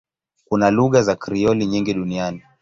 Kuna lugha za Krioli nyingi duniani.